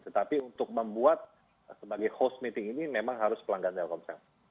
tetapi untuk membuat sebagai host meeting ini memang harus pelanggan telkomsel